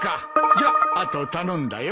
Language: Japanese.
じゃああと頼んだよ。